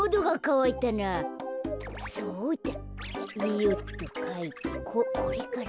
よっとかいてここれかな。